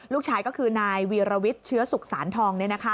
ลูกชายก็คือนายวีรวิทย์เชื้อสุขสารทอง